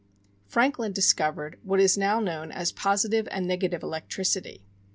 Franklin discovered what is now known as "positive" and "negative" electricity.